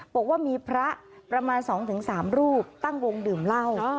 บอกว่ามีพระประมาณสองถึงสามรูปตั้งวงดื่มเหล้า